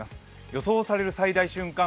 予想される最大瞬間